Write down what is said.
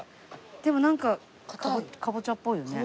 でもなんかかぼちゃっぽいよね。